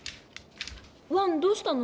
ワンどうしたの？